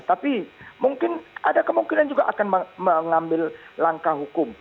tapi mungkin ada kemungkinan juga akan mengambil langkah hukum